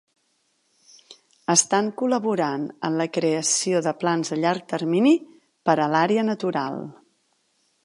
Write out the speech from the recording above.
Estan col·laborant en la creació de plans a llarg termini per a l'àrea natural.